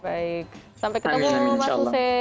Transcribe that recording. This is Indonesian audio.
baik sampai ketemu mas hussein